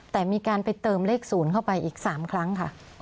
แต่มีการไปเติมเลข๐เข้าไปอีก๓ครั้งค่ะ